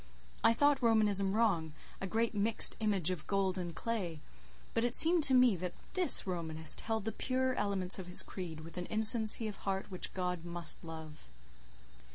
I thought Romanism wrong, a great mixed image of gold and clay; but it seemed to me that this Romanist held the purer elements of his creed with an innocency of heart which God must love.